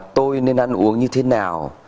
tôi nên ăn uống như thế nào